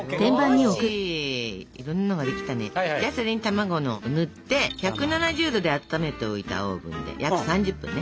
じゃあそれに卵の塗って１７０℃で温めておいたオーブンで約３０分ね。